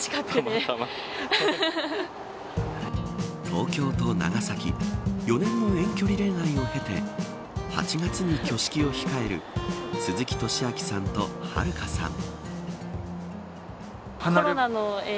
東京と長崎４年の遠距離恋愛をへて８月に挙式を控える鈴木寿明さんと知郁さん。